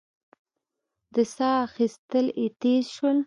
د سا اخېستل يې تېز شول.